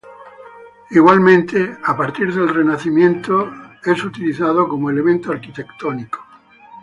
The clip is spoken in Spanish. Igualmente, a partir del Renacimiento es utilizado como elemento arquitectónico.